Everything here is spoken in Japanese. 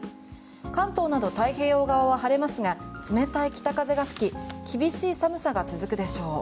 関東など太平洋側は晴れますが冷たい北風が吹き厳しい寒さが続くでしょう。